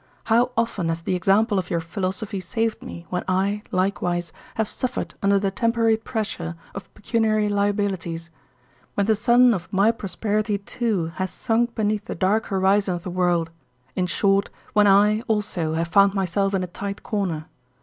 How often has the example of your philosophy saved me, when I, likewise, have suffered under the temporary pressure of pecuniary liabilities; when the sun of my prosperity, too, has sunk beneath the dark horizon of the world—in short, when I, also, have found myself in a tight corner.